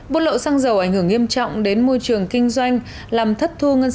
bút lậu xăng dầu ảnh hưởng nghiêm trọng